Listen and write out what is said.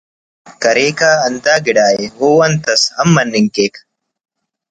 کریکہ ہندا گڑاءِ او انت اس ہم مننگ کیک